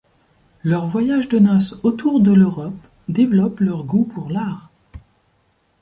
Leur voyage de noce autour de l’Europe développe leur goût pour l'art.